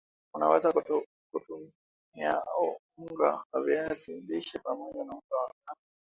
unaweza kutumiaunga wa viazi lishe pamoja na unga wa ngano